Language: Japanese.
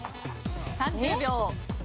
３０秒。